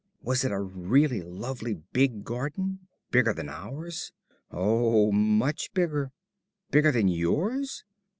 "Was it a really lovely big garden? Bigger than ours?" "Oh, much bigger." "Bigger than yours?"